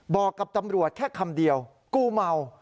บอกกับตำรวจแค่คำเดียวกูเมา